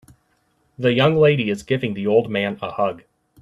The young lady is giving the old man a hug.